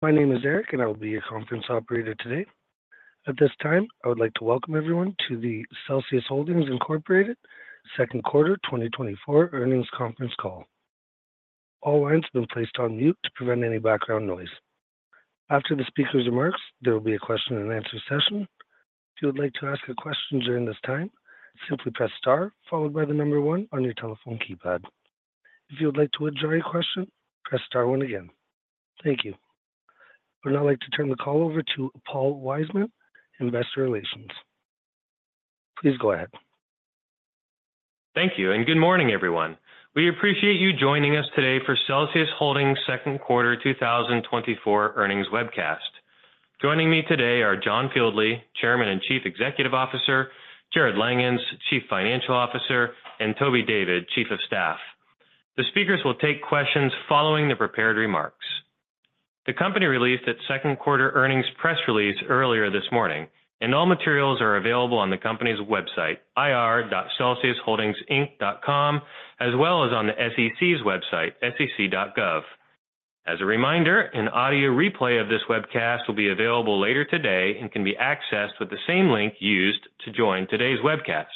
My name is Eric, and I will be your conference operator today. At this time, I would like to welcome everyone to the Celsius Holdings Incorporated Second Quarter 2024 Earnings Conference Call. All lines have been placed on mute to prevent any background noise. After the speaker's remarks, there will be a question and answer session. If you would like to ask a question during this time, simply press star followed by the number one on your telephone keypad. If you would like to withdraw your question, press star one again. Thank you. I would now like to turn the call over to Paul Wiseman, Investor Relations. Please go ahead. Thank you, and good morning, everyone. We appreciate you joining us today for Celsius Holdings' second quarter 2024 earnings webcast. Joining me today are John Fieldly, Chairman and Chief Executive Officer, Jarrod Langhans, Chief Financial Officer, and Toby David, Chief of Staff. The speakers will take questions following the prepared remarks. The company released its second quarter earnings press release earlier this morning, and all materials are available on the company's website, ir.celsiusholdingsinc.com, as well as on the SEC's website, sec.gov. As a reminder, an audio replay of this webcast will be available later today and can be accessed with the same link used to join today's webcast.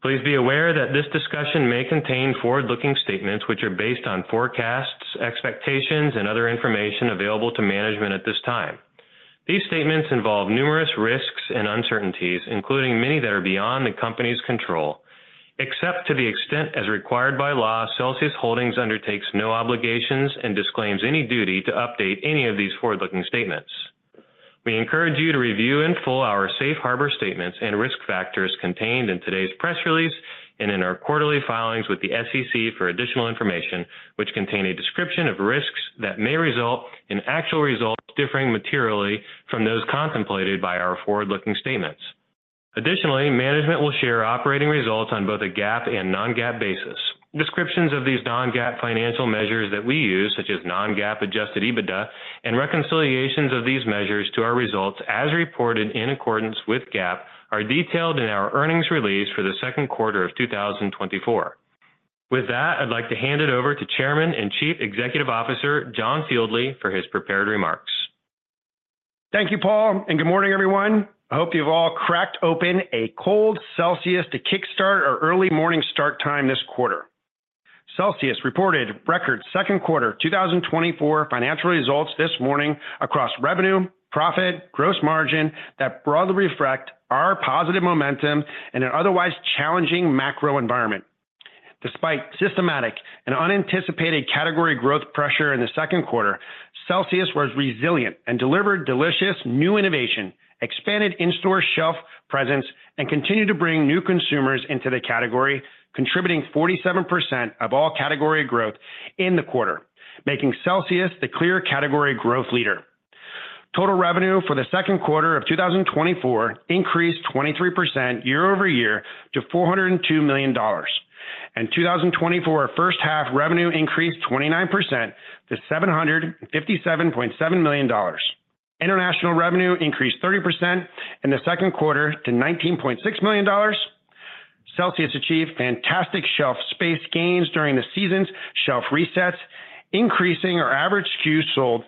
Please be aware that this discussion may contain forward-looking statements, which are based on forecasts, expectations, and other information available to management at this time. These statements involve numerous risks and uncertainties, including many that are beyond the company's control. Except to the extent as required by law, Celsius Holdings undertakes no obligations and disclaims any duty to update any of these forward-looking statements. We encourage you to review in full our safe harbor statements and risk factors contained in today's press release and in our quarterly filings with the SEC for additional information, which contain a description of risks that may result in actual results differing materially from those contemplated by our forward-looking statements. Additionally, management will share operating results on both a GAAP and non-GAAP basis. Descriptions of these non-GAAP financial measures that we use, such as non-GAAP adjusted EBITDA, and reconciliations of these measures to our results, as reported in accordance with GAAP, are detailed in our earnings release for the second quarter of 2024. With that, I'd like to hand it over to Chairman and Chief Executive Officer, John Fieldly, for his prepared remarks. Thank you, Paul, and good morning, everyone. I hope you've all cracked open a cold Celsius to kickstart our early morning start time this quarter. Celsius reported record second quarter 2024 financial results this morning across revenue, profit, gross margin that broadly reflect our positive momentum in an otherwise challenging macro environment. Despite systematic and unanticipated category growth pressure in the second quarter, Celsius was resilient and delivered delicious new innovation, expanded in-store shelf presence, and continued to bring new consumers into the category, contributing 47% of all category growth in the quarter, making Celsius the clear category growth leader. Total revenue for the second quarter of 2024 increased 23% year-over-year to $402 million, and 2024 first half revenue increased 29% to $757.7 million. International revenue increased 30% in the second quarter to $19.6 million. Celsius achieved fantastic shelf space gains during the season's shelf resets, increasing our average SKUs sold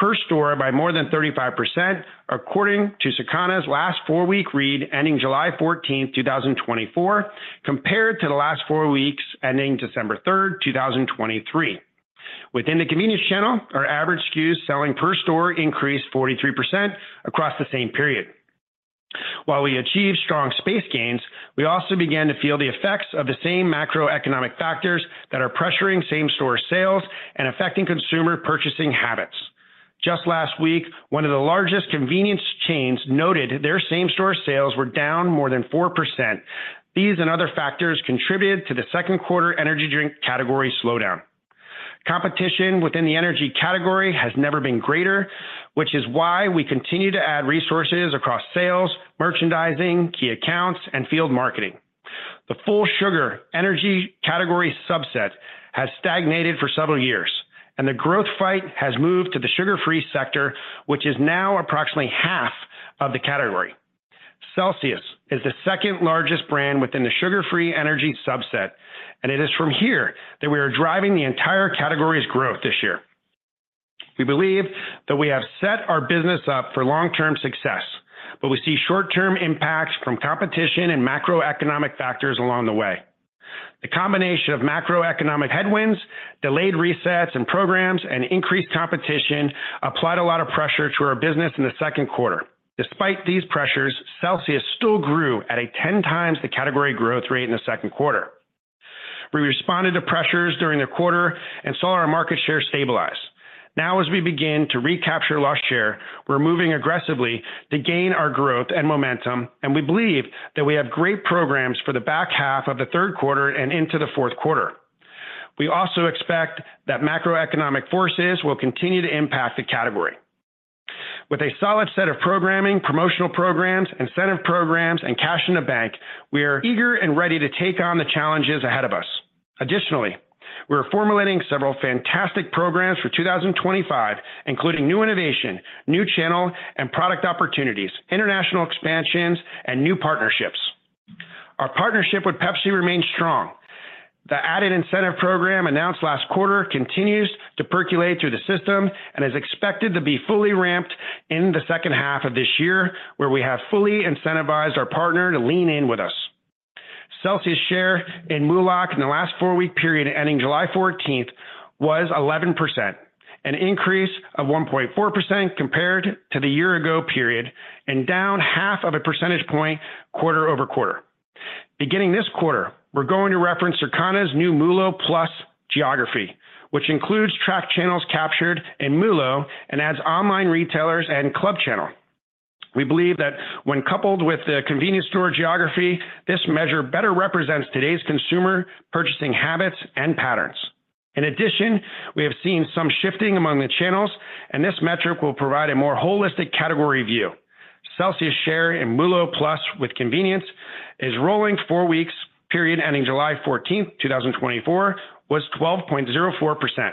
per store by more than 35%, according to Circana's last four-week read, ending July 14th, 2024, compared to the last four weeks, ending December 3rd, 2023. Within the convenience channel, our average SKUs selling per store increased 43% across the same period. While we achieved strong space gains, we also began to feel the effects of the same macroeconomic factors that are pressuring same-store sales and affecting consumer purchasing habits. Just last week, one of the largest convenience chains noted their same-store sales were down more than 4%. These and other factors contributed to the second quarter energy drink category slowdown. Competition within the energy category has never been greater, which is why we continue to add resources across sales, merchandising, key accounts, and field marketing. The full sugar energy category subset has stagnated for several years, and the growth fight has moved to the sugar-free sector, which is now approximately half of the category. Celsius is the second largest brand within the sugar-free energy subset, and it is from here that we are driving the entire category's growth this year. We believe that we have set our business up for long-term success, but we see short-term impacts from competition and macroeconomic factors along the way. The combination of macroeconomic headwinds, delayed resets and programs, and increased competition applied a lot of pressure to our business in the second quarter. Despite these pressures, Celsius still grew at 10x the category growth rate in the second quarter. We responded to pressures during the quarter and saw our market share stabilize. Now, as we begin to recapture lost share, we're moving aggressively to gain our growth and momentum, and we believe that we have great programs for the back half of the third quarter and into the fourth quarter. We also expect that macroeconomic forces will continue to impact the category. With a solid set of programming, promotional programs, incentive programs, and cash in the bank, we are eager and ready to take on the challenges ahead of us. Additionally, we are formulating several fantastic programs for 2025, including new innovation, new channel and product opportunities, international expansions, and new partnerships.... Our partnership with Pepsi remains strong. The added incentive program announced last quarter continues to percolate through the system and is expected to be fully ramped in the second half of this year, where we have fully incentivized our partner to lean in with us. Celsius share in MULOC in the last four-week period ending July 14th was 11%, an increase of 1.4% compared to the year ago period and down 0.5 percentage points quarter-over-quarter. Beginning this quarter, we're going to reference Circana's new MULO+ geography, which includes tracked channels captured in MULO and adds online retailers and club channel. We believe that when coupled with the convenience store geography, this measure better represents today's consumer purchasing habits and patterns. In addition, we have seen some shifting among the channels, and this metric will provide a more holistic category view. Celsius share in MULO+ with convenience is rolling four weeks, period ending July 14th, 2024, was 12.04%.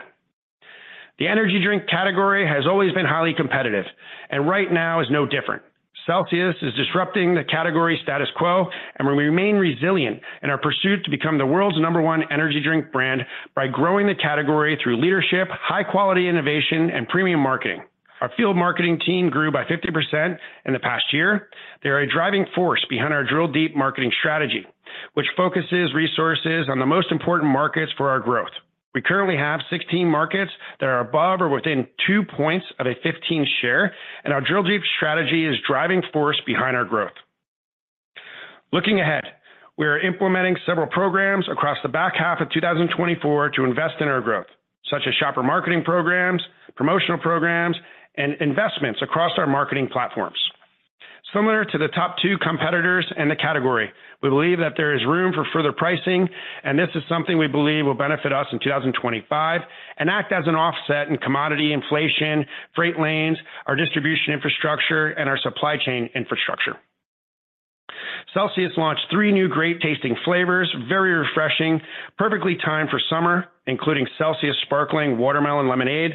The energy drink category has always been highly competitive and right now is no different. Celsius is disrupting the category status quo, and we remain resilient in our pursuit to become the world's number one energy drink brand by growing the category through leadership, high-quality innovation, and premium marketing. Our field marketing team grew by 50% in the past year. They are a driving force behind our Drill Deep marketing strategy, which focuses resources on the most important markets for our growth. We currently have 16 markets that are above or within two points of a 15 share, and our Drill Deep strategy is driving force behind our growth. Looking ahead, we are implementing several programs across the back half of 2024 to invest in our growth, such as shopper marketing programs, promotional programs, and investments across our marketing platforms. Similar to the top two competitors in the category, we believe that there is room for further pricing, and this is something we believe will benefit us in 2025 and act as an offset in commodity inflation, freight lanes, our distribution infrastructure, and our supply chain infrastructure. Celsius launched three new great-tasting flavors, very refreshing, perfectly timed for summer, including Celsius Sparkling Watermelon Lemonade,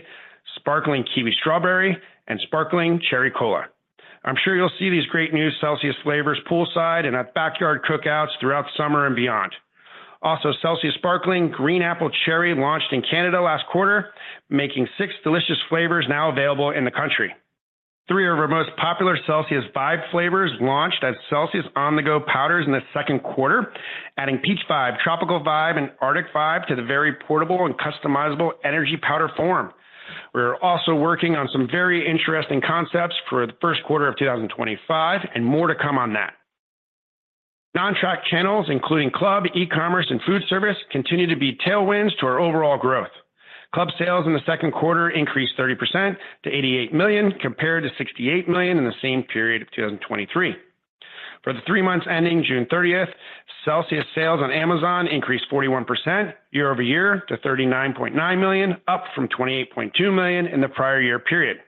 Sparkling Kiwi Strawberry, and Sparkling Cherry Cola. I'm sure you'll see these great new Celsius flavors poolside and at backyard cookouts throughout the summer and beyond. Also, Celsius Sparkling Green Apple Cherry launched in Canada last quarter, making six delicious flavors now available in the country. Three of our most popular Celsius Vibe flavors launched as Celsius On-The-Go powders in the second quarter, adding Peach Vibe, Tropical Vibe, and Arctic Vibe to the very portable and customizable energy powder form. We are also working on some very interesting concepts for the first quarter of 2025, and more to come on that. Non-tracked channels, including club, e-commerce, and food service, continue to be tailwinds to our overall growth. Club sales in the second quarter increased 30% to $88 million, compared to $68 million in the same period of 2023. For the three months ending June 30th, Celsius sales on Amazon increased 41% year-over-year to $39.9 million, up from $28.2 million in the prior year period.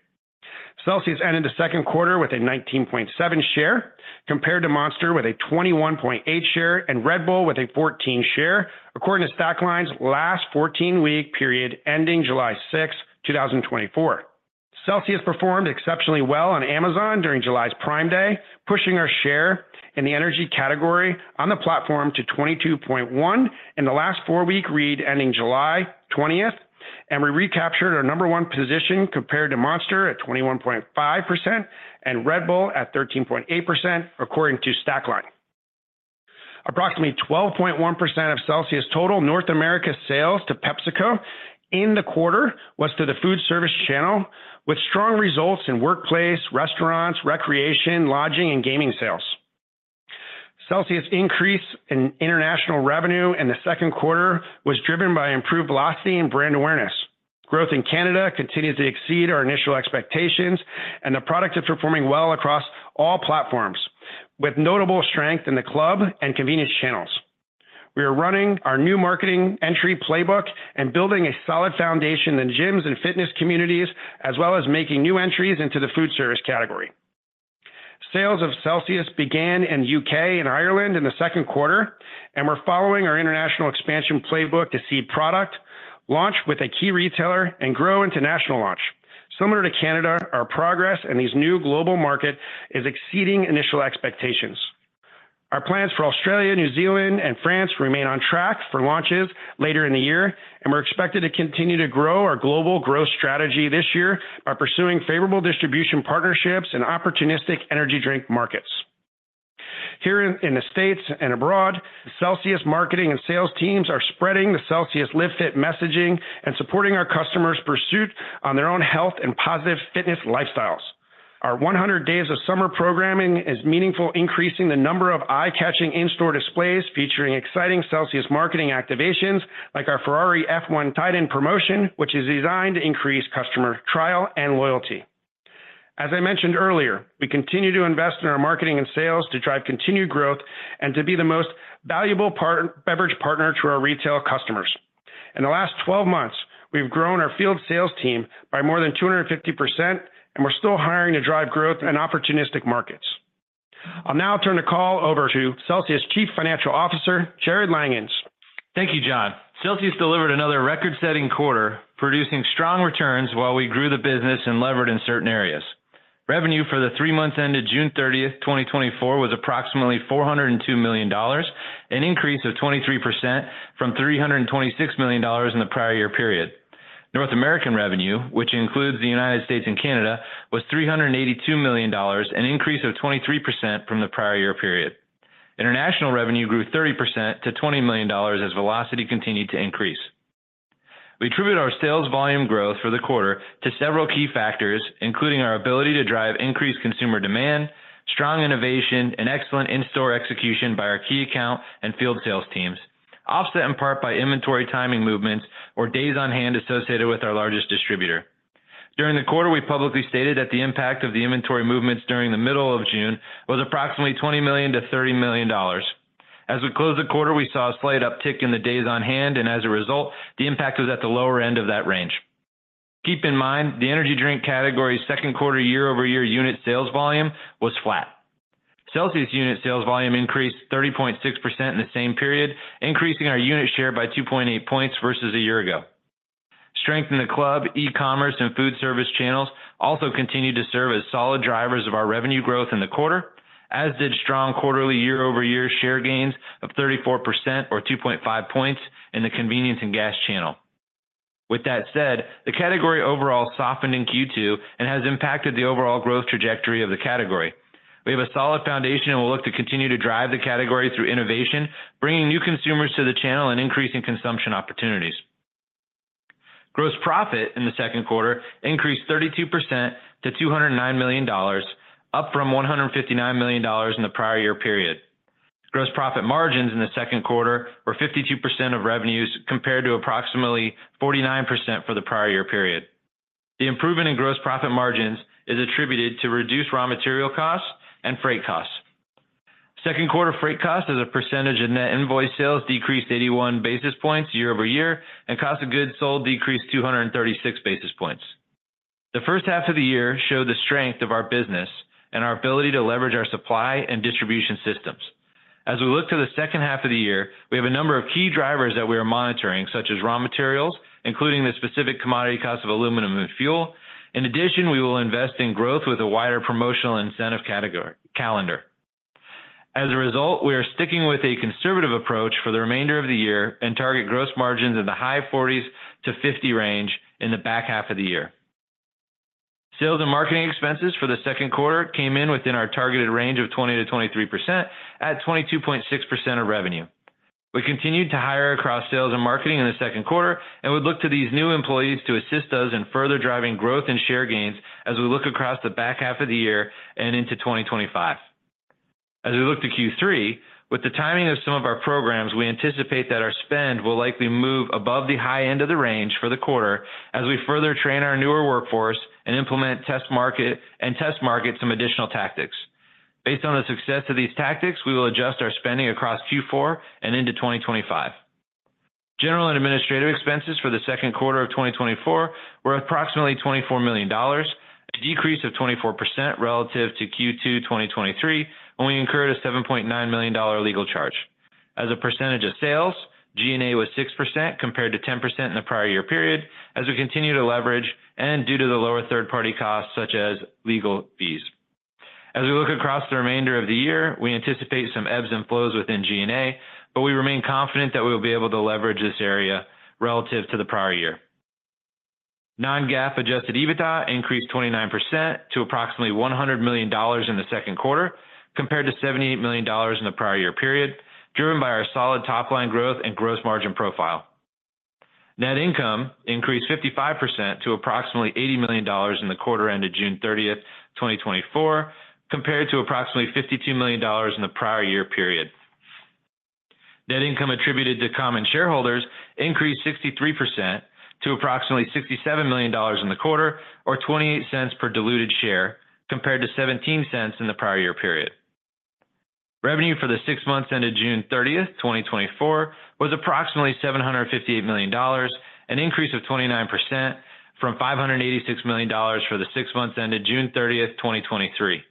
Celsius ended the second quarter with a 19.7 share, compared to Monster with a 21.8 share and Red Bull with a 14 share, according to Stackline's last 14-week period, ending July six, 2024. Celsius performed exceptionally well on Amazon during July's Prime Day, pushing our share in the energy category on the platform to 22.1 in the last four-week read, ending July 20, and we recaptured our number one position compared to Monster at 21.5% and Red Bull at 13.8%, according to Stackline. Approximately 12.1% of Celsius' total North America sales to PepsiCo in the quarter was to the food service channel, with strong results in workplace, restaurants, recreation, lodging, and gaming sales. Celsius's increase in international revenue in the second quarter was driven by improved velocity and brand awareness. Growth in Canada continues to exceed our initial expectations, and the product is performing well across all platforms, with notable strength in the club and convenience channels. We are running our new marketing entry playbook and building a solid foundation in gyms and fitness communities, as well as making new entries into the food service category. Sales of Celsius began in U.K. and Ireland in the second quarter, and we're following our international expansion playbook to see product launch with a key retailer and grow into national launch. Similar to Canada, our progress in this new global market is exceeding initial expectations. Our plans for Australia, New Zealand, and France remain on track for launches later in the year, and we're expected to continue to grow our global growth strategy this year by pursuing favorable distribution partnerships in opportunistic energy drink markets. Here in the States and abroad, Celsius marketing and sales teams are spreading the Celsius Live Fit messaging and supporting our customers' pursuit of their own health and positive fitness lifestyles. Our 100 Days of Summer programming is meaningfully increasing the number of eye-catching in-store displays, featuring exciting Celsius marketing activations like our Ferrari F1 tie-in promotion, which is designed to increase customer trial and loyalty. As I mentioned earlier, we continue to invest in our marketing and sales to drive continued growth and to be the most valuable functional beverage partner to our retail customers. In the last twelve months, we've grown our field sales team by more than 250%, and we're still hiring to drive growth in opportunistic markets. I'll now turn the call over to Celsius Chief Financial Officer, Jarrod Langhans. Thank you, John. Celsius delivered another record-setting quarter, producing strong returns while we grew the business and levered in certain areas. Revenue for the three months ended June 30th, 2024, was approximately $402 million, an increase of 23% from $326 million in the prior year period. North American revenue, which includes the United States and Canada, was $382 million, an increase of 23% from the prior year period. International revenue grew 30% to $20 million as velocity continued to increase. We attribute our sales volume growth for the quarter to several key factors, including our ability to drive increased consumer demand, strong innovation, and excellent in-store execution by our key account and field sales teams, offset in part by inventory timing movements or days on hand associated with our largest distributor. During the quarter, we publicly stated that the impact of the inventory movements during the middle of June was approximately $20 million-$30 million. As we closed the quarter, we saw a slight uptick in the days on hand, and as a result, the impact was at the lower end of that range. Keep in mind, the energy drink category second quarter year-over-year unit sales volume was flat. Celsius unit sales volume increased 30.6% in the same period, increasing our unit share by 2.8 points versus a year ago. Strength in the club, e-commerce, and food service channels also continued to serve as solid drivers of our revenue growth in the quarter, as did strong quarterly year-over-year share gains of 34% or 2.5 points in the convenience and gas channel. With that said, the category overall softened in Q2 and has impacted the overall growth trajectory of the category. We have a solid foundation and we look to continue to drive the category through innovation, bringing new consumers to the channel and increasing consumption opportunities. Gross profit in the second quarter increased 32% to $209 million, up from $159 million in the prior year period. Gross profit margins in the second quarter were 52% of revenues, compared to approximately 49% for the prior year period. The improvement in gross profit margins is attributed to reduced raw material costs and freight costs. Second quarter freight costs as a percentage of net invoice sales decreased 81 basis points year over year, and cost of goods sold decreased 236 basis points. The first half of the year showed the strength of our business and our ability to leverage our supply and distribution systems. As we look to the second half of the year, we have a number of key drivers that we are monitoring, such as raw materials, including the specific commodity costs of aluminum and fuel. In addition, we will invest in growth with a wider promotional incentive category-calendar. As a result, we are sticking with a conservative approach for the remainder of the year and target gross margins in the high 40s-50 range in the back half of the year. Sales and marketing expenses for the second quarter came in within our targeted range of 20%-23% at 22.6% of revenue. We continued to hire across sales and marketing in the second quarter, and we look to these new employees to assist us in further driving growth and share gains as we look across the back half of the year and into 2025. As we look to Q3, with the timing of some of our programs, we anticipate that our spend will likely move above the high end of the range for the quarter as we further train our newer workforce and implement test market, and test market some additional tactics. Based on the success of these tactics, we will adjust our spending across Q4 and into 2025. General and administrative expenses for the second quarter of 2024 were approximately $24 million, a decrease of 24% relative to Q2 2023, when we incurred a $7.9 million legal charge. As a percentage of sales, G&A was 6%, compared to 10% in the prior year period, as we continue to leverage and due to the lower third-party costs, such as legal fees. As we look across the remainder of the year, we anticipate some ebbs and flows within G&A, but we remain confident that we will be able to leverage this area relative to the prior year. Non-GAAP adjusted EBITDA increased 29% to approximately $100 million in the second quarter, compared to $78 million in the prior year period, driven by our solid top-line growth and gross margin profile. Net income increased 55% to approximately $80 million in the quarter ended June 30th, 2024, compared to approximately $52 million in the prior year period. Net income attributed to common shareholders increased 63% to approximately $67 million in the quarter, or $0.28 per diluted share, compared to $0.17 in the prior year period. Revenue for the six months ended June 30th, 2024, was approximately $758 million, an increase of 29% from $586 million for the six months ended June 30, 2023.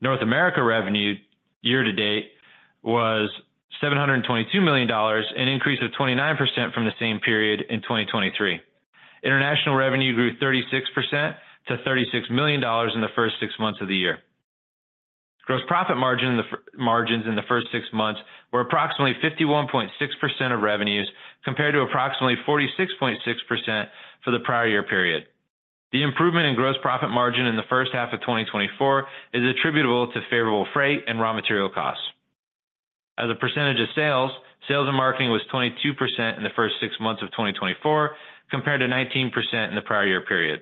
North America revenue year to date was $722 million, an increase of 29% from the same period in 2023. International revenue grew 36% to $36 million in the first six months of the year. Gross profit margins in the first six months were approximately 51.6% of revenues, compared to approximately 46.6% for the prior year period. The improvement in gross profit margin in the first half of 2024 is attributable to favorable freight and raw material costs. As a percentage of sales, sales and marketing was 22% in the first six months of 2024, compared to 19% in the prior year period.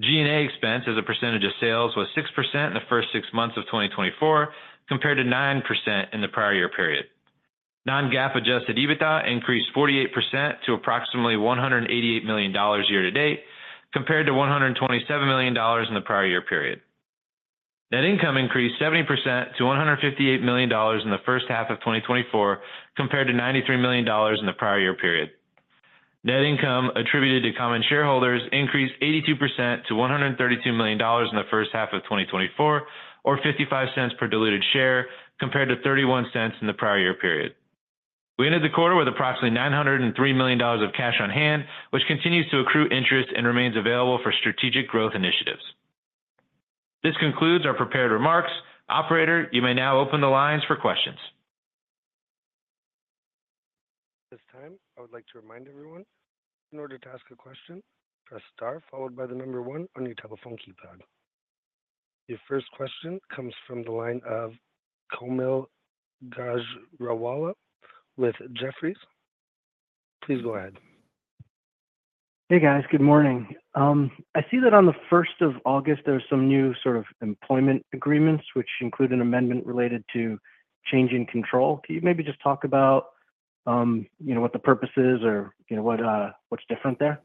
G&A expense as a percentage of sales was 6% in the first six months of 2024, compared to 9% in the prior year period. Non-GAAP adjusted EBITDA increased 48% to approximately $188 million year to date, compared to $127 million in the prior year period. Net income increased 70% to $158 million in the first half of 2024, compared to $93 million in the prior year period. Net income attributed to common shareholders increased 82% to $132 million in the first half of 2024, or $0.55 per diluted share, compared to $0.31 in the prior year period. ... We ended the quarter with approximately $903 million of cash on hand, which continues to accrue interest and remains available for strategic growth initiatives. This concludes our prepared remarks. Operator, you may now open the lines for questions. At this time, I would like to remind everyone, in order to ask a question, press star followed by the number one on your telephone keypad. Your first question comes from the line of Kaumil Gajrawala with Jefferies. Please go ahead. Hey, guys. Good morning. I see that on the first of August, there's some new sort of employment agreements which include an amendment related to change in control. Can you maybe just talk about, you know, what the purpose is or, you know, what, what's different there?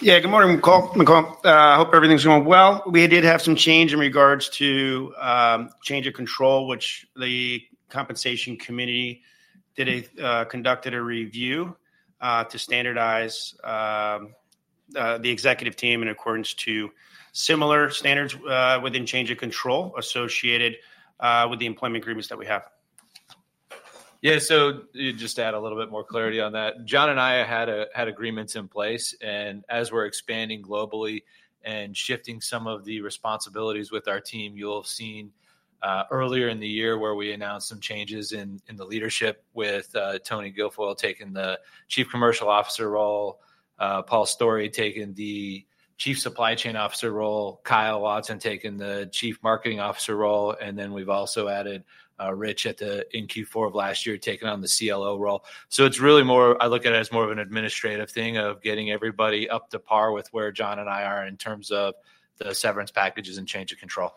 Yeah. Good morning, Kaumil. I hope everything's going well. We did have some change in regards to change of control, which the compensation committee conducted a review to standardize the executive team in accordance to similar standards within change of control associated with the employment agreements that we have. Yeah, so just to add a little bit more clarity on that, John and I had agreements in place, and as we're expanding globally and shifting some of the responsibilities with our team, you'll have seen earlier in the year, where we announced some changes in the leadership with Tony Guilfoyle taking the Chief Commercial Officer role, Paul Storey taking the Chief Supply Chain Officer role, Kyle Watson taking the Chief Marketing Officer role, and then we've also added Rich Yergin in Q4 of last year, taking on the CLO role. So it's really more. I look at it as more of an administrative thing of getting everybody up to par with where John and I are in terms of the severance packages and change of control.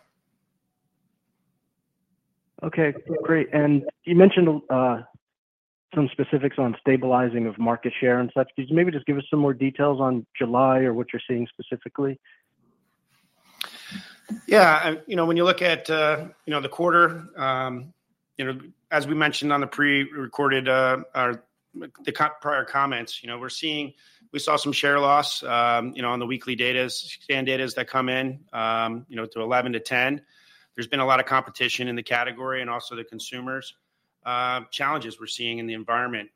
Okay, great. And you mentioned some specifics on stabilizing of market share and such. Could you maybe just give us some more details on July or what you're seeing specifically? Yeah, you know, when you look at, you know, the quarter, you know, as we mentioned on the pre-recorded, our prior comments, you know, we saw some share loss, you know, on the weekly data, scan data that come in, you know, to 11-10. There's been a lot of competition in the category and also the consumers. Challenges we're seeing in the environment,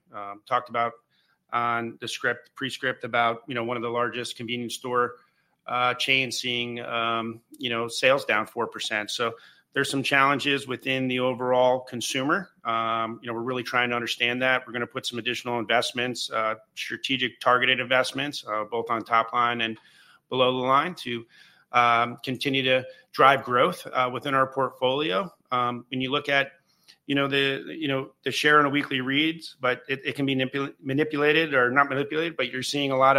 talked about on the script, pre-script about, you know, one of the largest convenience store chain seeing, you know, sales down 4%. So there's some challenges within the overall consumer. You know, we're really trying to understand that. We're gonna put some additional investments, strategic targeted investments, both on top line and below the line, to continue to drive growth, within our portfolio. When you look at, you know, the share in a weekly reads, but it can be manipulated or not manipulated, but you're seeing a lot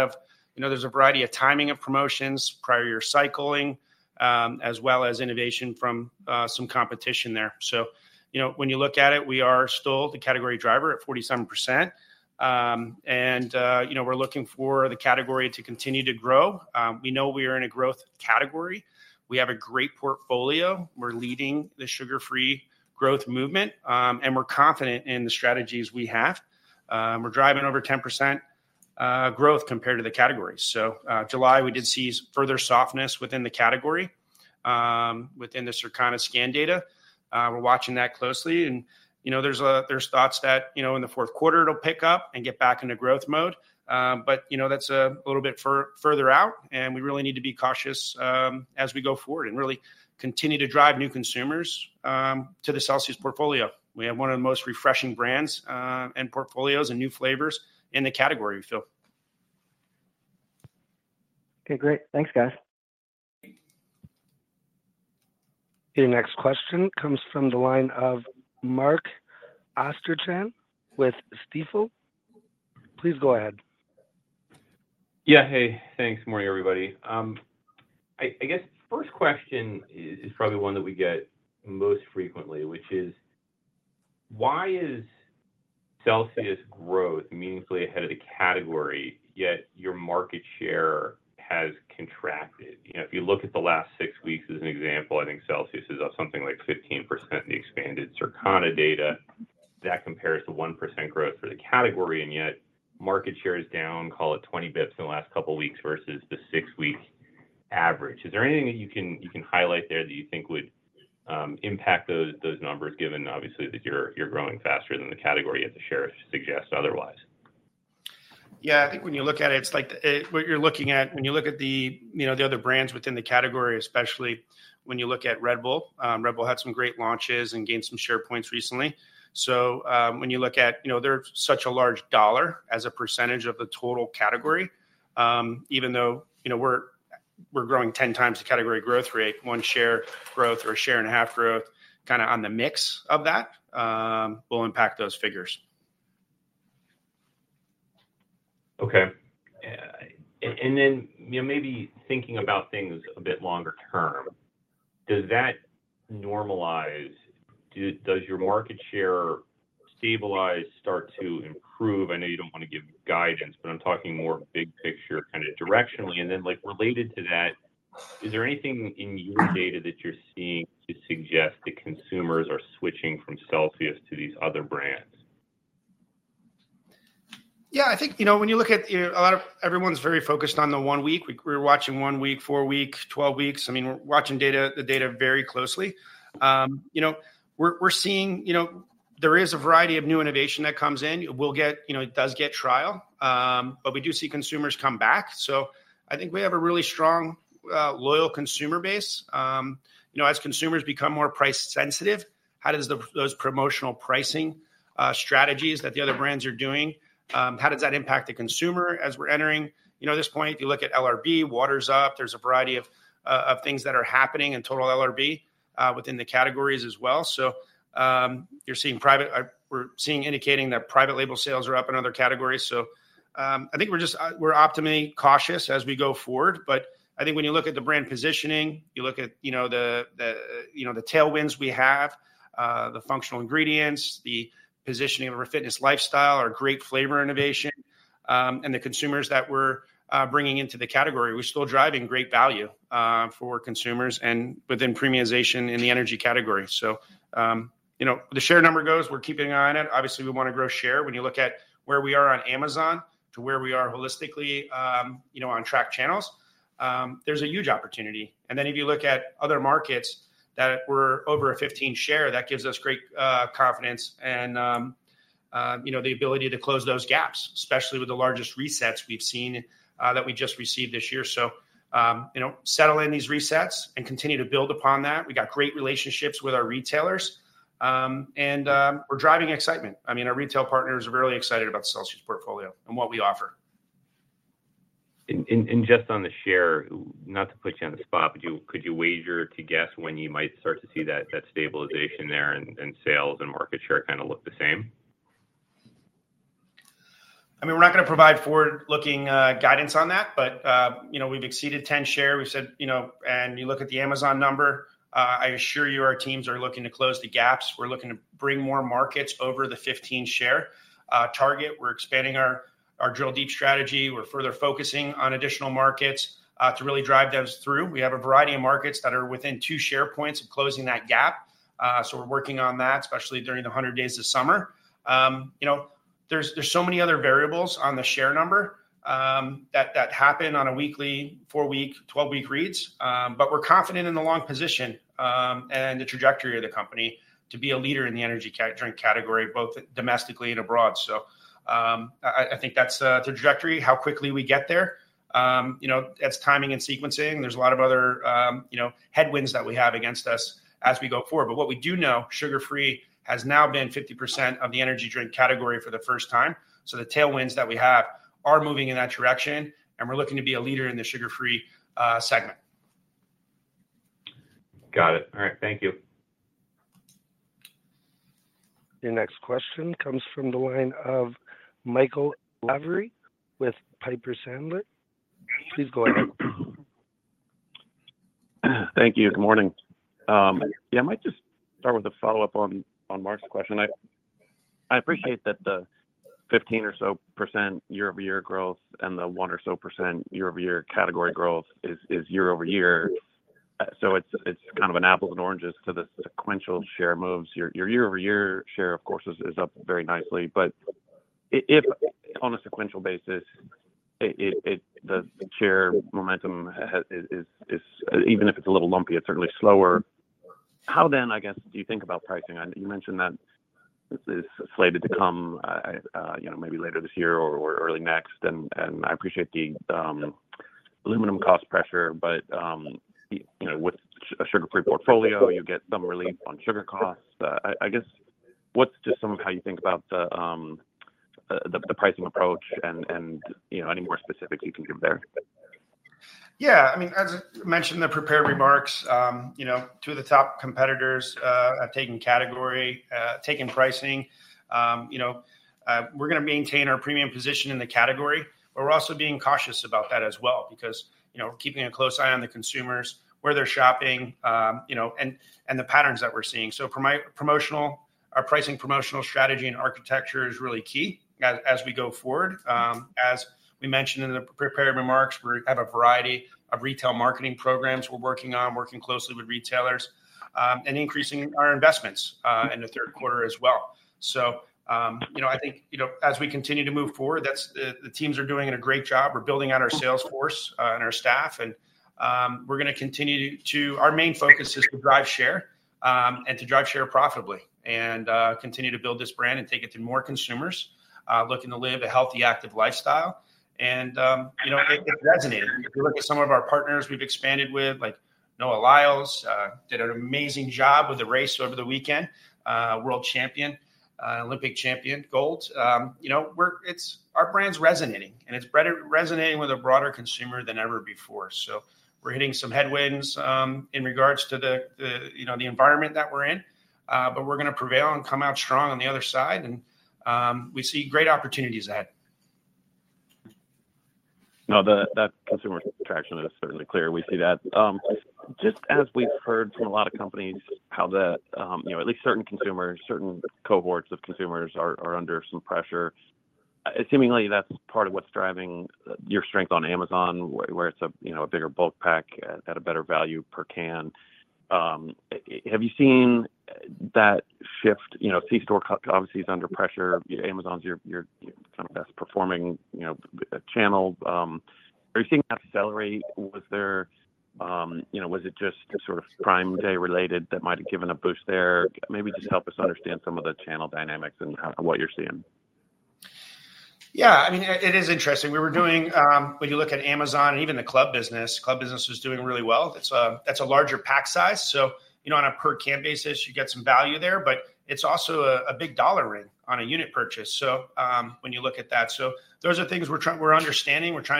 of... You know, there's a variety of timing of promotions, prior year cycling, as well as innovation from some competition there. So, you know, when you look at it, we are still the category driver at 47%. And, you know, we're looking for the category to continue to grow. We know we are in a growth category. We have a great portfolio. We're leading the sugar-free growth movement, and we're confident in the strategies we have. We're driving over 10% growth compared to the category. So, July, we did see further softness within the category, within the Circana scan data. We're watching that closely and, you know, there's thoughts that, you know, in the fourth quarter it'll pick up and get back into growth mode. But, you know, that's a little bit further out, and we really need to be cautious as we go forward and really continue to drive new consumers to the Celsius portfolio. We have one of the most refreshing brands and portfolios and new flavors in the category, we feel. Okay, great. Thanks, guys. The next question comes from the line of Mark Astrachan with Stifel. Please go ahead. Yeah, hey. Thanks. Morning, everybody. I guess first question is probably one that we get most frequently, which is: Why is Celsius growth meaningfully ahead of the category, yet your market share has contracted? You know, if you look at the last six weeks as an example, I think Celsius is up something like 15% in the expanded Circana data. That compares to 1% growth for the category, and yet market share is down, call it 20 basis points in the last couple of weeks versus the six-week average. Is there anything that you can highlight there that you think would impact those numbers, given obviously that you're growing faster than the category, as the share suggests otherwise? Yeah, I think when you look at it, it's like, what you're looking at, when you look at the, you know, the other brands within the category, especially when you look at Red Bull, Red Bull had some great launches and gained some share points recently. So, when you look at. You know, they're such a large dollar as a percentage of the total category, even though, you know, we're, we're growing ten times the category growth rate, one share growth or share and a half growth, kinda on the mix of that, will impact those figures. Okay, and then, you know, maybe thinking about things a bit longer term, does that normalize? Does your market share stabilize, start to improve? I know you don't want to give guidance, but I'm talking more big picture, kinda directionally. And then, like, related to that, is there anything in your data that you're seeing to suggest that consumers are switching from Celsius to these other brands?... Yeah, I think, you know, when you look at, you know, a lot of everyone's very focused on the one week. We're watching one week, four week, twelve weeks. I mean, we're watching data, the data very closely. You know, we're seeing... You know, there is a variety of new innovation that comes in. We'll get, you know, it does get trial, but we do see consumers come back. So I think we have a really strong loyal consumer base. You know, as consumers become more price-sensitive, how does those promotional pricing strategies that the other brands are doing how does that impact the consumer as we're entering, you know, this point? If you look at LRB, water's up. There's a variety of, of things that are happening in total LRB within the categories as well. So, you're seeing private or we're seeing indicating that private label sales are up in other categories. So, I think we're just, we're optimally cautious as we go forward. But I think when you look at the brand positioning, you look at, you know, the tailwinds we have, the functional ingredients, the positioning of our fitness lifestyle, our great flavor innovation, and the consumers that we're bringing into the category. We're still driving great value for consumers and within premiumization in the energy category. So, you know, the share number goes, we're keeping an eye on it. Obviously, we wanna grow share. When you look at where we are on Amazon to where we are holistically, you know, on tracked channels, there's a huge opportunity. And then if you look at other markets that we're over a 15% share, that gives us great confidence and, you know, the ability to close those gaps, especially with the largest resets we've seen that we just received this year. So, you know, settle in these resets and continue to build upon that. We've got great relationships with our retailers, and we're driving excitement. I mean, our retail partners are really excited about the Celsius portfolio and what we offer. Just on the share, not to put you on the spot, but could you wager to guess when you might start to see that stabilization there in sales and market share kinda look the same? I mean, we're not gonna provide forward-looking guidance on that, but you know, we've exceeded 10 share. We said, you know, and you look at the Amazon number. I assure you, our teams are looking to close the gaps. We're looking to bring more markets over the 15 share target. We're expanding our Drill Deep strategy. We're further focusing on additional markets to really drive those through. We have a variety of markets that are within two share points of closing that gap. So we're working on that, especially during the 100 days this summer. You know, there's so many other variables on the share number that happen on a weekly, four-week, 12-week reads. But we're confident in the long position, and the trajectory of the company to be a leader in the energy drink category, both domestically and abroad. So, I think that's the trajectory. How quickly we get there? You know, that's timing and sequencing. There's a lot of other, you know, headwinds that we have against us as we go forward. But what we do know, sugar-free has now been 50% of the energy drink category for the first time. So the tailwinds that we have are moving in that direction, and we're looking to be a leader in the sugar-free segment. Got it. All right, thank you. Your next question comes from the line of Michael Lavery with Piper Sandler. Please go ahead. Thank you. Good morning. Yeah, I might just start with a follow-up on Mark's question. I appreciate that the 15% or so year-over-year growth and the 1% or so year-over-year category growth is year-over-year. So it's kind of an apples and oranges to the sequential share moves. Your year-over-year share, of course, is up very nicely. But if on a sequential basis, it, the share momentum is... Even if it's a little lumpy, it's certainly slower. How then, I guess, do you think about pricing? You mentioned that this is slated to come, you know, maybe later this year or early next. And I appreciate the aluminum cost pressure, but you know, with a sugar-free portfolio, you get some relief on sugar costs. I guess what's just some of how you think about the pricing approach and, you know, any more specifics you can give there? Yeah, I mean, as I mentioned in the prepared remarks, you know, two of the top competitors have taken category pricing. You know, we're gonna maintain our premium position in the category, but we're also being cautious about that as well, because, you know, keeping a close eye on the consumers, where they're shopping, you know, and the patterns that we're seeing. So promotional, our pricing, promotional strategy, and architecture is really key as we go forward. As we mentioned in the prepared remarks, we have a variety of retail marketing programs we're working on, working closely with retailers, and increasing our investments in the third quarter as well. So, you know, I think, you know, as we continue to move forward, that's the teams are doing a great job. We're building out our sales force, and our staff, and we're gonna continue to our main focus is to drive share, and to drive share profitably, and continue to build this brand and take it to more consumers, looking to live a healthy, active lifestyle. And, you know, it resonated. If you look at some of our partners we've expanded with, like Noah Lyles, did an amazing job with the race over the weekend. World champion, Olympic champion, gold. You know, our brand's resonating, and it's better resonating with a broader consumer than ever before. So we're hitting some headwinds in regards to the, you know, the environment that we're in. But we're gonna prevail and come out strong on the other side, and we see great opportunities ahead. No, that consumer traction is certainly clear. We see that. Just as we've heard from a lot of companies, how the, you know, at least certain consumers, certain cohorts of consumers are, are under some pressure, seemingly that's part of what's driving, your strength on Amazon, where it's a, you know, a bigger bulk pack at a better value per can. Have you seen that shift, you know, C-store obviously is under pressure. Amazon's your, your, your kind of best performing, you know, channel. Are you seeing that accelerate? Was there... You know, was it just sort of Prime Day related that might have given a boost there? Maybe just help us understand some of the channel dynamics and how what you're seeing. Yeah, I mean, it is interesting. We were doing. When you look at Amazon and even the club business, club business was doing really well. It's, that's a larger pack size, so, you know, on a per can basis, you get some value there, but it's also a, a big dollar ring on a unit purchase, so, when you look at that. So those are things we're trying to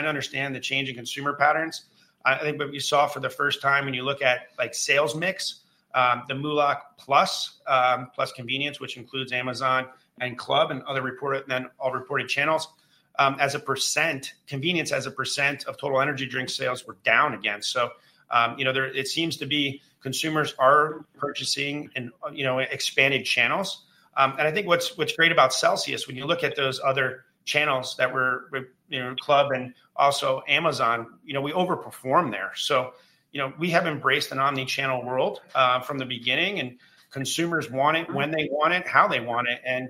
understand the change in consumer patterns. I think what we saw for the first time when you look at, like, sales mix, the MULO+, MULOC, which includes Amazon and Club and other reported, then all reported channels, as a percent. Convenience as a percent of total energy drink sales were down again. So, you know, it seems to be consumers are purchasing in, you know, expanded channels. And I think what's great about Celsius, when you look at those other channels that we're. You know, Club and also Amazon, you know, we overperform there. So, you know, we have embraced an omni-channel world from the beginning, and consumers want it when they want it, how they want it, and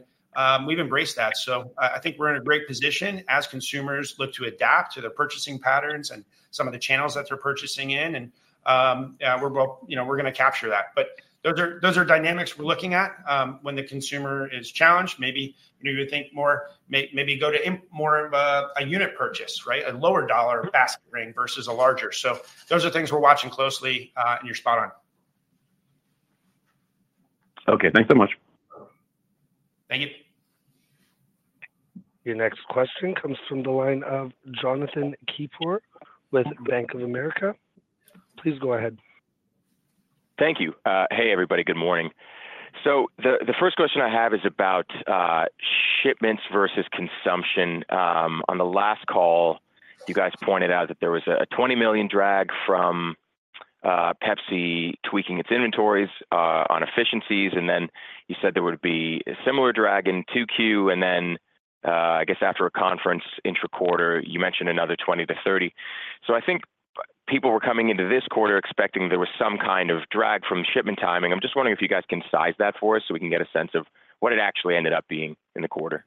we've embraced that. So I think we're in a great position as consumers look to adapt to the purchasing patterns and some of the channels that they're purchasing in, and yeah, you know, we're gonna capture that. But those are dynamics we're looking at. When the consumer is challenged, maybe we would think more, maybe go to more of a unit purchase, right? A lower dollar basket ring versus a larger. So those are things we're watching closely, and you're spot on. Okay, thanks so much. Thank you. Your next question comes from the line of Jonathan Keypour with Bank of America. Please go ahead. Thank you. Hey, everybody. Good morning. So the first question I have is about shipments versus consumption. On the last call, you guys pointed out that there was a $20 million drag from Pepsi tweaking its inventories on efficiencies, and then you said there would be a similar drag in 2Q. Then, I guess after a conference inter-quarter, you mentioned another $20-$30 million. So I think people were coming into this quarter expecting there was some kind of drag from shipment timing. I'm just wondering if you guys can size that for us, so we can get a sense of what it actually ended up being in the quarter.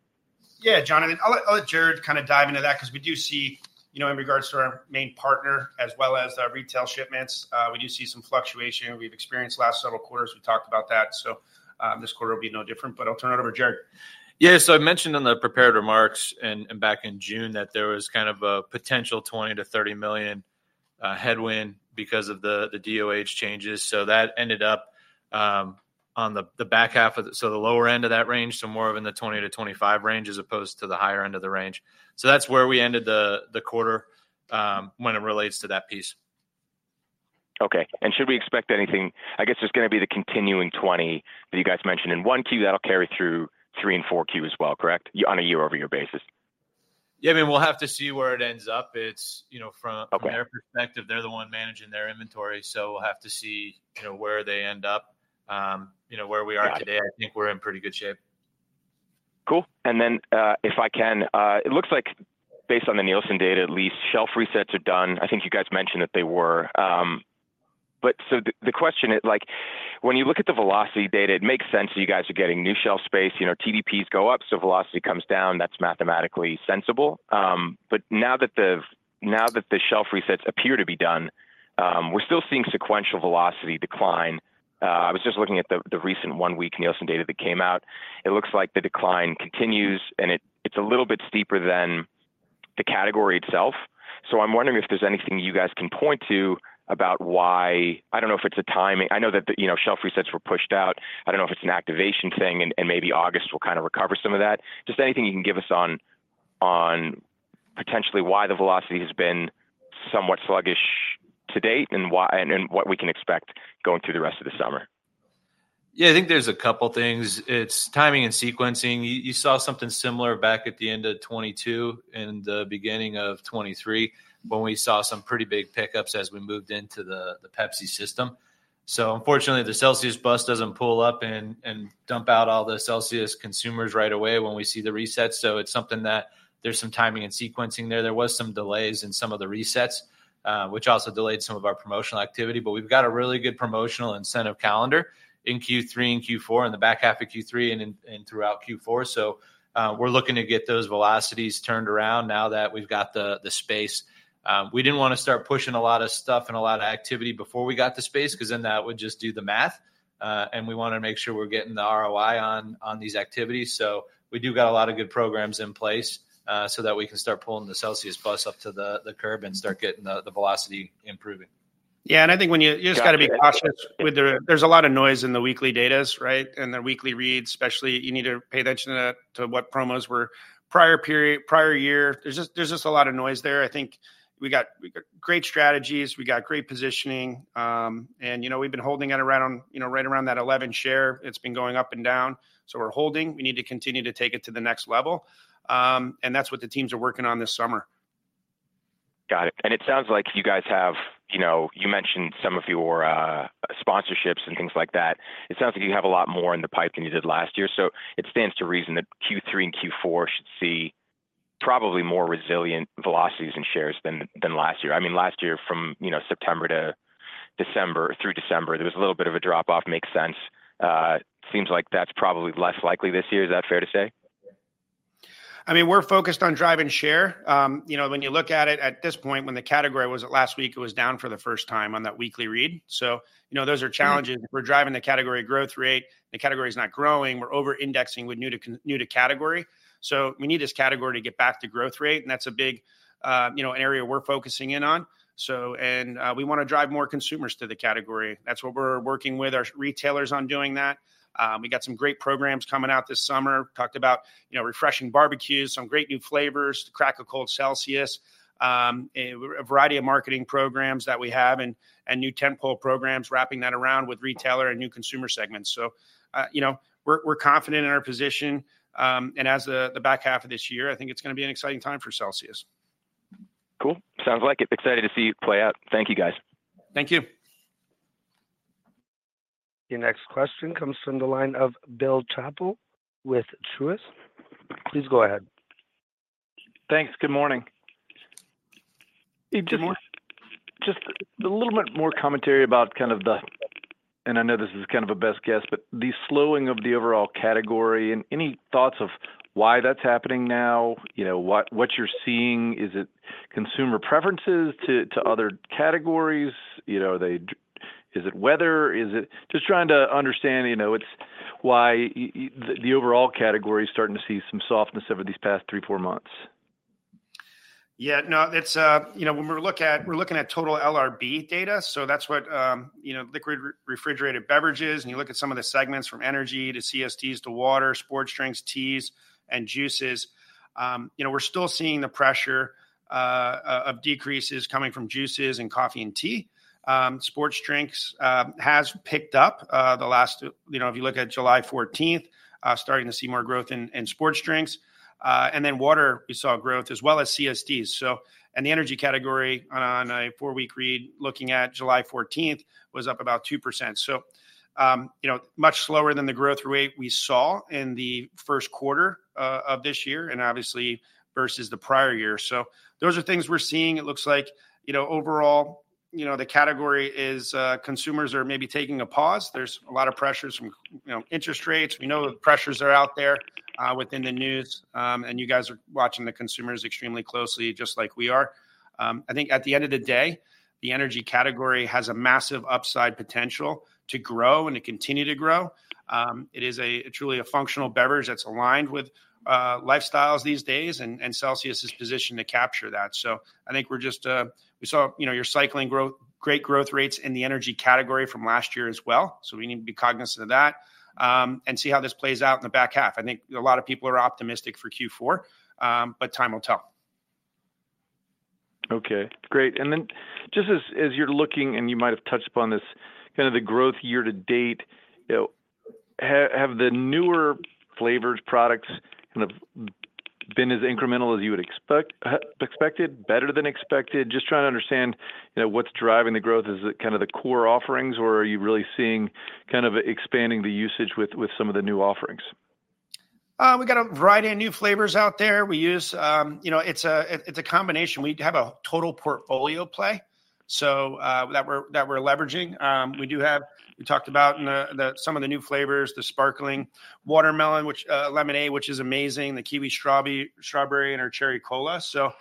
Yeah, Jonathan, I'll let Jared kind of dive into that, 'cause we do see, you know, in regards to our main partner as well as our retail shipments, we do see some fluctuation. We've experienced the last several quarters, we talked about that, so this quarter will be no different, but I'll turn it over to Jared. Yeah, so I mentioned in the prepared remarks and back in June that there was kind of a potential $20 million-$30 million headwind because of the DOH changes. So that ended up on the back half of the year. So the lower end of that range, so more of in the $20 million-$25 million range, as opposed to the higher end of the range. So that's where we ended the quarter when it relates to that piece. Okay. Should we expect anything? I guess there's gonna be the continuing 20 that you guys mentioned in one Q, that'll carry through three and four Q as well, correct? On a year-over-year basis. Yeah, I mean, we'll have to see where it ends up. It's, you know, from- Okay... their perspective, they're the one managing their inventory, so we'll have to see, you know, where they end up. You know, where we are today- Got it... I think we're in pretty good shape. Cool. And then, if I can, it looks like based on the Nielsen data, at least, shelf resets are done. I think you guys mentioned that they were... But so the question is, like, when you look at the velocity data, it makes sense that you guys are getting new shelf space. You know, TDPs go up, so velocity comes down. That's mathematically sensible. But now that the, now that the shelf resets appear to be done, we're still seeing sequential velocity decline. I was just looking at the recent one-week Nielsen data that came out. It looks like the decline continues, and it's a little bit steeper than the category itself. So I'm wondering if there's anything you guys can point to about why... I don't know if it's the timing. I know that the, you know, shelf resets were pushed out. I don't know if it's an activation thing, and maybe August will kind of recover some of that. Just anything you can give us on potentially why the velocity has been somewhat sluggish to date, and why and what we can expect going through the rest of the summer? Yeah, I think there's a couple things. It's timing and sequencing. You, you saw something similar back at the end of 2022 and the beginning of 2023, when we saw some pretty big pickups as we moved into the, the Pepsi system. So unfortunately, the Celsius bus doesn't pull up and, and dump out all the Celsius consumers right away when we see the reset, so it's something that there's some timing and sequencing there. There was some delays in some of the resets, which also delayed some of our promotional activity. But we've got a really good promotional incentive calendar in Q3 and Q4, and the back half of Q3, and in, and throughout Q4. So, we're looking to get those velocities turned around now that we've got the, the space. We didn't wanna start pushing a lot of stuff and a lot of activity before we got the space, 'cause then that would just do the math, and we wanna make sure we're getting the ROI on these activities. So we do got a lot of good programs in place, so that we can start pulling the Celsius bus up to the curb and start getting the velocity improving. Yeah, and I think when you- Got it... you just gotta be cautious with the, there's a lot of noise in the weekly data, right? In the weekly reads, especially, you need to pay attention to, to what promos were prior period, prior year. There's just, there's just a lot of noise there. I think we got, we got great strategies, we got great positioning, and, you know, we've been holding at around, you know, right around that 11 share. It's been going up and down, so we're holding. We need to continue to take it to the next level. And that's what the teams are working on this summer. Got it. And it sounds like you guys have, you know, you mentioned some of your sponsorships and things like that. It sounds like you have a lot more in the pipe than you did last year, so it stands to reason that Q3 and Q4 should see probably more resilient velocities and shares than last year. I mean, last year, from, you know, September to December, through December, there was a little bit of a drop-off, makes sense. Seems like that's probably less likely this year. Is that fair to say? I mean, we're focused on driving share. You know, when you look at it at this point, when the category, was it last week? It was down for the first time on that weekly read. So, you know, those are challenges. Yeah. We're driving the category growth rate. The category is not growing. We're over-indexing with new to category, so we need this category to get back to growth rate, and that's a big, you know, area we're focusing in on. So we wanna drive more consumers to the category. That's what we're working with our retailers on doing that. We got some great programs coming out this summer. Talked about, you know, refreshing barbecues, some great new flavors, the Crack a Cold Celsius, a variety of marketing programs that we have and new tent pole programs, wrapping that around with retailer and new consumer segments. So, you know, we're confident in our position. And as the back half of this year, I think it's gonna be an exciting time for Celsius. Cool. Sounds like it. Excited to see it play out. Thank you, guys. Thank you. Your next question comes from the line of Bill Chappell with Truist. Please go ahead. Thanks. Good morning. Good morning. Just a little bit more commentary about kind of the... and I know this is kind of a best guess, but the slowing of the overall category, and any thoughts of why that's happening now? You know, what you're seeing, is it consumer preferences to other categories? You know, are they-- is it weather? Is it... Just trying to understand, you know, it's why the overall category is starting to see some softness over these past three-four months. Yeah. No, it's, you know, when we're looking at total LRB data, so that's Liquid Refreshment Beverages. When you look at some of the segments from energy, to CSDs, to water, sports drinks, teas, and juices, you know, we're still seeing the pressure of decreases coming from juices and coffee and tea. Sports drinks has picked up the last, you know, if you look at July 14th, starting to see more growth in sports drinks. And then water, we saw growth as well as CSDs. So, the energy category on a four-week read, looking at July 14th, was up about 2%. So, you know, much slower than the growth rate we saw in the first quarter of this year, and obviously, versus the prior year. So those are things we're seeing. It looks like, you know, overall, you know, the category is, consumers are maybe taking a pause. There's a lot of pressures from, you know, interest rates. We know the pressures are out there, within the news, and you guys are watching the consumers extremely closely, just like we are. I think at the end of the day, the energy category has a massive upside potential to grow and to continue to grow. It is truly a functional beverage that's aligned with lifestyles these days, and, and Celsius is positioned to capture that. So I think we're just. We saw, you know, you're cycling growth- great growth rates in the energy category from last year as well, so we need to be cognizant of that, and see how this plays out in the back half. I think a lot of people are optimistic for Q4, but time will tell. Okay, great. And then just as you're looking, and you might have touched upon this, kind of the growth year to date, have the newer flavors, products, kind of been as incremental as you would expect, expected, better than expected? Just trying to understand, you know, what's driving the growth. Is it kind of the core offerings, or are you really seeing kind of expanding the usage with some of the new offerings? We got a variety of new flavors out there. We use, you know, it's a combination. We have a total portfolio play, so that we're leveraging. We do have. We talked about some of the new flavors, the Sparkling Watermelon Lemonade, which is amazing, the Kiwi Strawberry, and our Cherry Cola. So,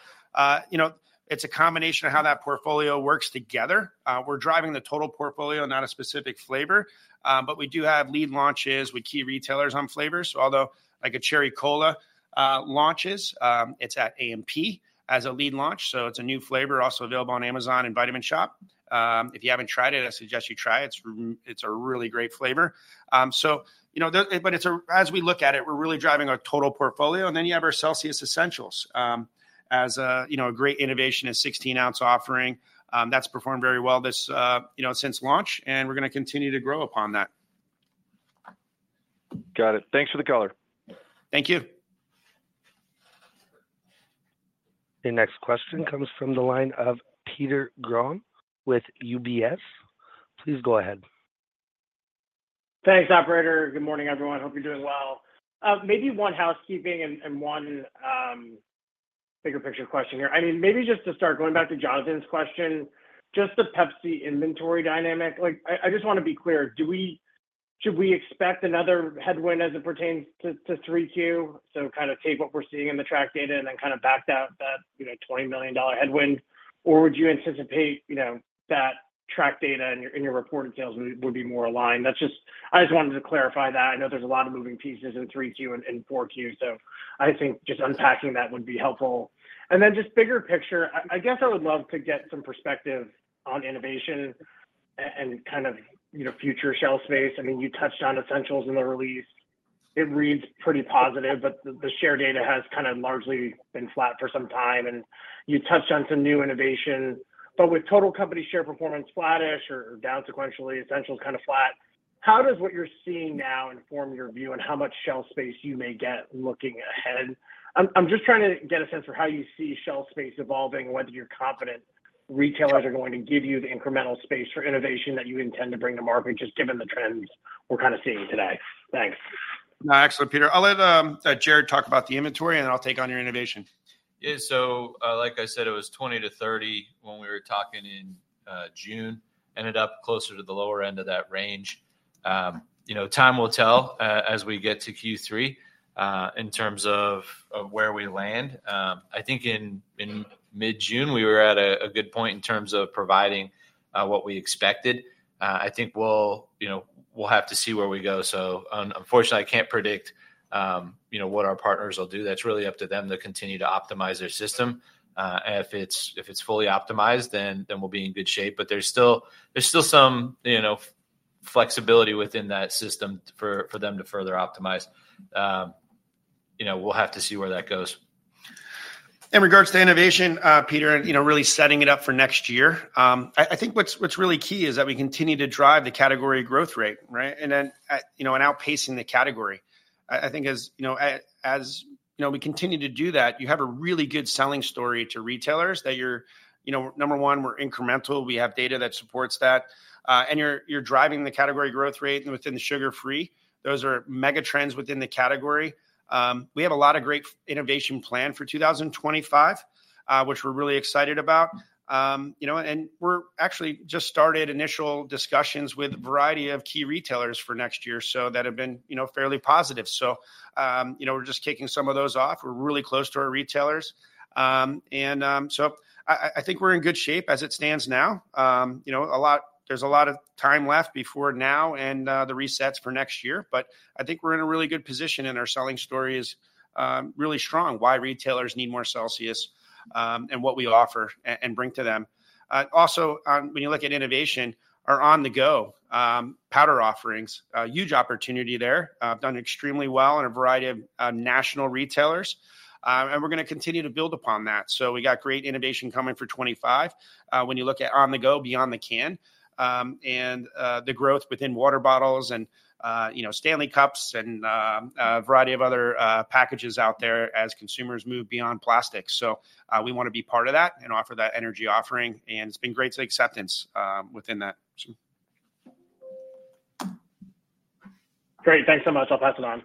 you know, it's a combination of how that portfolio works together. We're driving the total portfolio, not a specific flavor, but we do have lead launches with key retailers on flavors. Although, like a Cherry Cola launch, it's at A&P as a lead launch, so it's a new flavor, also available on Amazon and Vitamin Shoppe. If you haven't tried it, I suggest you try it. It's a really great flavor. As we look at it, we're really driving our total portfolio, and then you have our Celsius Essentials. As a, you know, a great innovation, a 16-ounce offering, that's performed very well this, you know, since launch, and we're gonna continue to grow upon that. Got it. Thanks for the color. Thank you. The next question comes from the line of Peter Grom with UBS. Please go ahead. Thanks, operator. Good morning, everyone. Hope you're doing well. Maybe one housekeeping and one bigger picture question here. I mean, maybe just to start, going back to Jonathan's question, just the Pepsi inventory dynamic, like I just wanna be clear, should we expect another headwind as it pertains to 3Q? So kind of take what we're seeing in the track data and then kind of back out that, you know, $20 million headwind, or would you anticipate, you know, that track data in your reported sales would be more aligned? That's just... I just wanted to clarify that. I know there's a lot of moving pieces in 3Q and 4Q, so I think just unpacking that would be helpful. And then just bigger picture, I guess I would love to get some perspective on innovation and kind of, you know, future shelf space. I mean, you touched on Essentials in the release. It reads pretty positive, but the share data has kind of largely been flat for some time, and you touched on some new innovation. But with total company share performance flattish or down sequentially, Essentials kind of flat, how does what you're seeing now inform your view on how much shelf space you may get looking ahead? I'm just trying to get a sense for how you see shelf space evolving, whether you're confident retailers are going to give you the incremental space for innovation that you intend to bring to market, just given the trends we're kind of seeing today? Thanks. No, excellent, Peter. I'll let Jared talk about the inventory, and then I'll take on your innovation. Yeah, so, like I said, it was 20-30 when we were talking in June. Ended up closer to the lower end of that range. You know, time will tell as we get to Q3 in terms of where we land. I think in mid-June, we were at a good point in terms of providing what we expected. I think we'll... you know, we'll have to see where we go. So unfortunately, I can't predict, you know, what our partners will do. That's really up to them to continue to optimize their system. And if it's fully optimized, then we'll be in good shape. But there's still some, you know, flexibility within that system for them to further optimize. You know, we'll have to see where that goes. In regards to innovation, Peter, and, you know, really setting it up for next year, I think what's really key is that we continue to drive the category growth rate, right? And then, you know, and outpacing the category. I think as, you know, as, you know, we continue to do that, you have a really good selling story to retailers that you're... You know, number one, we're incremental. We have data that supports that. And you're driving the category growth rate within the sugar-free. Those are mega trends within the category. We have a lot of great innovation planned for 2025, which we're really excited about. You know, and we're actually just started initial discussions with a variety of key retailers for next year, so that have been, you know, fairly positive. So, you know, we're just kicking some of those off. We're really close to our retailers. And so I think we're in good shape as it stands now. You know, a lot, there's a lot of time left before now and the resets for next year, but I think we're in a really good position, and our selling story is really strong, why retailers need more Celsius, and what we offer and bring to them. Also, when you look at innovation, our On-The-Go powder offerings, a huge opportunity there. Done extremely well in a variety of national retailers, and we're gonna continue to build upon that. So we got great innovation coming for 2025, when you look at On-The-Go beyond the can. And the growth within water bottles and, you know, Stanley cups and a variety of other packages out there as consumers move beyond plastic. So we wanna be part of that and offer that energy offering, and it's been great, the acceptance within that. So- Great. Thanks so much. I'll pass it on.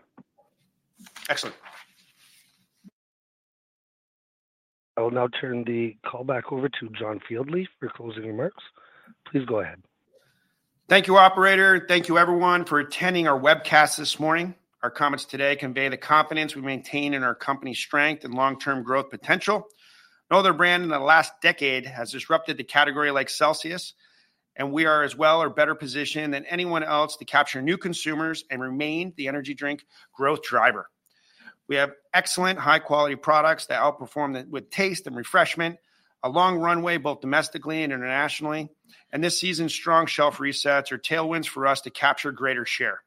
Excellent. I will now turn the call back over to John Fieldly for closing remarks. Please go ahead. Thank you, operator, and thank you, everyone, for attending our webcast this morning. Our comments today convey the confidence we maintain in our company's strength and long-term growth potential. No other brand in the last decade has disrupted the category like Celsius, and we are as well or better positioned than anyone else to capture new consumers and remain the energy drink growth driver. We have excellent, high-quality products that outperform with taste and refreshment, a long runway, both domestically and internationally, and this season's strong shelf resets are tailwinds for us to capture greater share.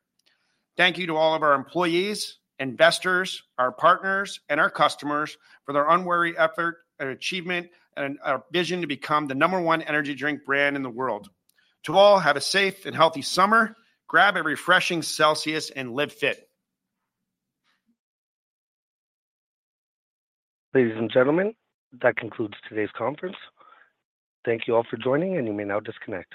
Thank you to all of our employees, investors, our partners, and our customers for their unwavering effort and achievement and our vision to become the number one energy drink brand in the world. To all, have a safe and healthy summer. Grab a refreshing Celsius and live fit. Ladies and gentlemen, that concludes today's conference. Thank you all for joining, and you may now disconnect.